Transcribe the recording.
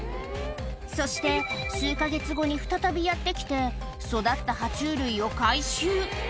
そして数か月後に再びやって来て、育ったは虫類を回収。